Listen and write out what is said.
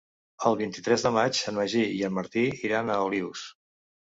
El vint-i-tres de maig en Magí i en Martí iran a Olius.